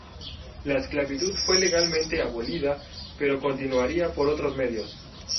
La esclavitud fue legalmente abolida, pero continuaría por otros medios.